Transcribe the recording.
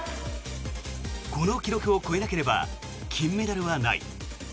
この記録を超えなければ金メダルはない。